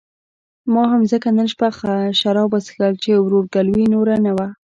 ما هم ځکه نن شپه شراب وڅښل چې ورورګلوي نوره نه وه.